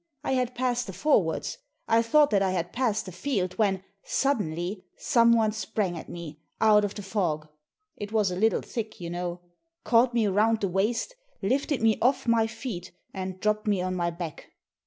I had passed the forwards; I thought that I had passed the field, when, suddenly, someone sprang at me, out of the fog — it was a little thick, you know — caught me round the waist, lifted me off my feet, and dropped me on my back.